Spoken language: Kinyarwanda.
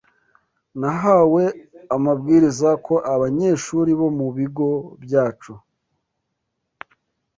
Nahawe amabwiriza ko abanyeshuri bo mu bigo byacu